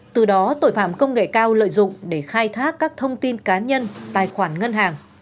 từ đó tội phạm công nghệ cao lợi dụng để khai thác các thông tin cá nhân tài khoản ngân hàng